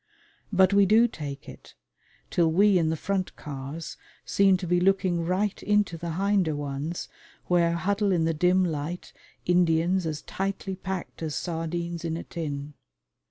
But we do take it, till we in the front cars seem to be looking right into the hinder ones where huddle in the dim light Indians as tightly packed as sardines in a tin.